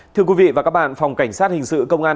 thưa quý vị và các bạn phòng cảnh sát hình sự công an